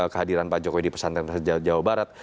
kehadiran pak jokowi di pesantren jawa barat